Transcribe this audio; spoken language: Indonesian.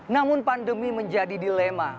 namun pandemi menjadi dilema